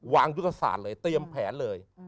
ยุทธศาสตร์เลยเตรียมแผนเลย